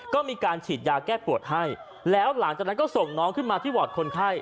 ก็มีการฉีดยาแก้ปวดให้แล้วหลังจากนั้นก็ส่งน้องขึ้นมาที่วอร์ดคนไข้